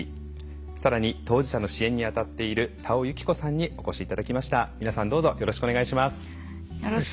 さらに当事者の支援にあたっている田尾有樹子さんにお越しいただきました。